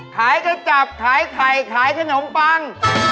ขายจะจับขายไข่ขายแข่หนงปัง